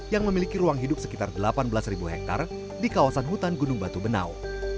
yang memiliki ruang hidup sekitar delapan belas hektare di kawasan hutan gunung batu benau